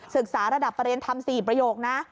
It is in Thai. ศึกษาระดับประเรียนธรรม๔ประโยคนะ